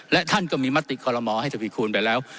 และท่านก็มีมติคอลโมให้ทวีคูณไปแล้ว